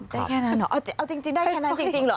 ได้แค่นั้นเหรอเอาจริงได้แค่นั้นจริงเหรอ